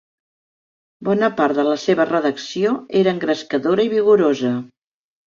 Bona part de la seva redacció era engrescadora i vigorosa.